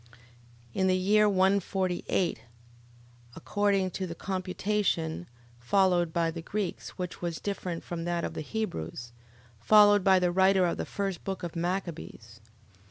In the year 148... Viz., according to the computation followed by the Greeks; which was different from that of the Hebrews, followed by the writer of the first book of Machabees.